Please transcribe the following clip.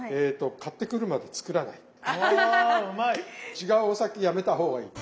違うお酒やめた方がいい。